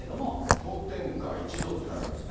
氷点下１度というのありますね。